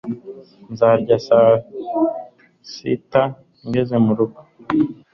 Nzarya saa sita ngeze murugo